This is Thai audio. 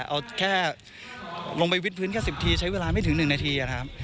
เอาแค่ลงไปวิทพื้นแค่สิบทีใช้เวลาไม่ถึงหนึ่งนาทีอ่ะครับ